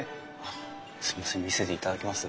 すみません見せていただきます。